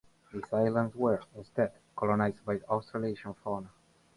These islands were, instead, colonized by Australasian fauna.